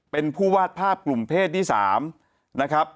เป็นผู้วาดภาพกลุ่มเพศที่๓นะครับ